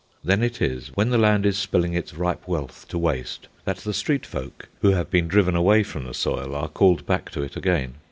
Then it is, when the land is spilling its ripe wealth to waste, that the street folk, who have been driven away from the soil, are called back to it again.